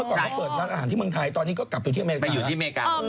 ซึ่งก็เปิดร้านอาหารที่เมืองไทยซึ่งกอบบ้านนี่ก็ดูตะวันอเมริกาเลยนะไปอยู่ที่อเมริกา